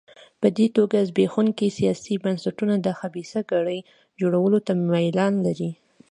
په دې توګه زبېښونکي سیاسي بنسټونه د خبیثه کړۍ جوړولو ته میلان لري.